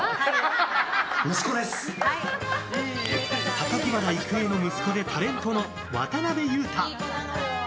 榊原郁恵の息子でタレントの渡辺裕太。